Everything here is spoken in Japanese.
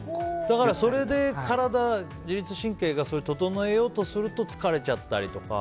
それで体自律神経が整えようとすると疲れちゃったりとか。